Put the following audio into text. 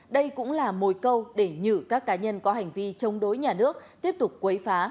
đây cũng là mồi câu để nhử các cá nhân có hành vi chống đối nhà nước tiếp tục quấy phá